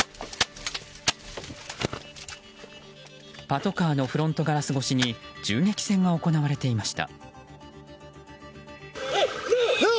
パトカーのフロントガラス越しに銃撃戦が行われていました。